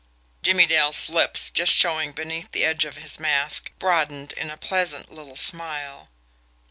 Jimmie Dale's lips, just showing beneath the edge of his mask, broadened in a pleasant little smile.